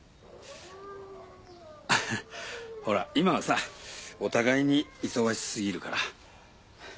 ほら今はさお互いに忙しすぎるから。